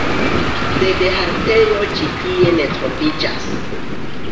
Sed haltejo ĉi tie ne troviĝas.